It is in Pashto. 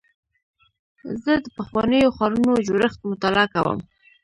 زه د پخوانیو ښارونو جوړښت مطالعه کوم.